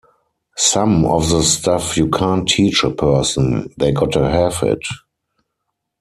Some of the stuff you can't teach a person; they gotta have it.